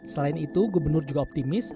selain itu gubernur juga optimis